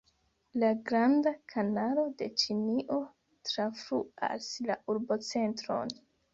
La Granda Kanalo de Ĉinio trafluas la urbocentron.